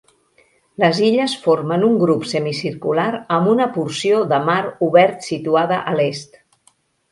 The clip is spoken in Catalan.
Les illes formen un grup semicircular amb una porció de mar obert situada a l'est.